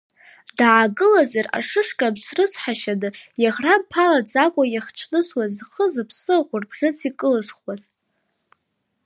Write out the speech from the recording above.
Даагылазар, ашышкамс рыцҳашьаны, иаӷрамԥалаӡакәа иахчнысуаз, зхы-зыԥсы ахәырбӷьыц икылзхуаз.